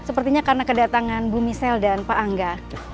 sepertinya karena kedatangan bu misel dan pak angga